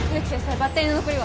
バッテリーの残りは？